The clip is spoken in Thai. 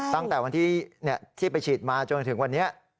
ตั้งแต่วันที่ไปฉีดมาจนถึงวันนี้